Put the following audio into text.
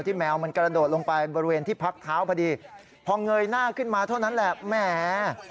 แมวมันกระโดดลงไปบริเวณที่พักเท้าพอดีพอเงยหน้าขึ้นมาเท่านั้นแหละแหม